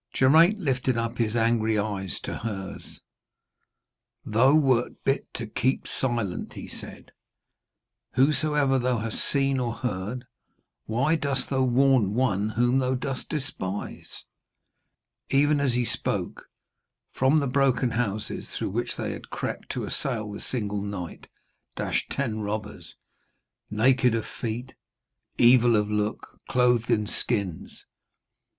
Geraint lifted up his angry eyes to hers: 'Thou wert bid to keep silent,' he said, 'whatsoever thou hast seen or heard. Why dost thou warn one whom thou dost despise?' Even as he spoke, from the broken houses through which they had crept to assail the single knight, dashed ten robbers, naked of feet, evil of look, clothed in skins.